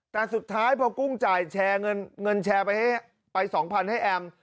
แต่สุดท้ายพอกุ้งจ่ายแชร์เงินแชร์ไป๒๐๐๐ให้แอม